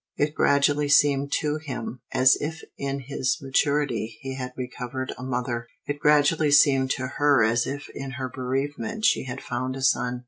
It gradually seemed to him as if in his maturity he had recovered a mother; it gradually seemed to her as if in her bereavement she had found a son.